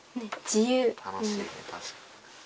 楽しいたしかに。